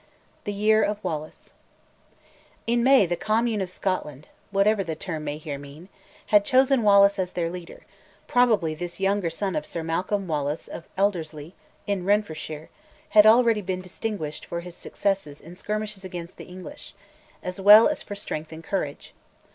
THE YEAR OF WALLACE. In May the commune of Scotland (whatever the term may here mean) had chosen Wallace as their leader; probably this younger son of Sir Malcolm Wallace of Elderslie, in Renfrewshire, had already been distinguished for his success in skirmishes against the English, as well as for strength and courage.